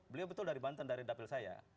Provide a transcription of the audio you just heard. beliau betul dari banten dari dapil saya